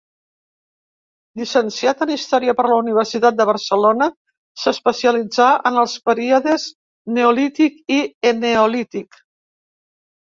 Llicenciat en Història per la Universitat de Barcelona, s'especialitzà en els períodes Neolític i Eneolític.